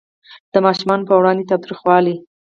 د ماشومانو په وړاندې تاوتریخوالی